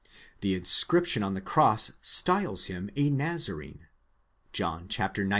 The inscription on the cross styles him a Nazarene (John xix.